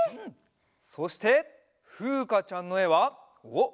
そしてふうかちゃんのえはおっ！